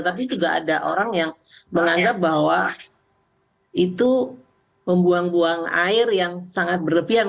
tapi juga ada orang yang menganggap bahwa itu membuang buang air yang sangat berlebihan